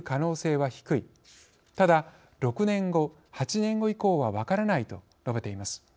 ただ６年後８年後以降は分からない」と述べています。